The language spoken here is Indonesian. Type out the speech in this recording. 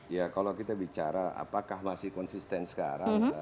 ya kalau kita bicara apakah masih konsisten sekarang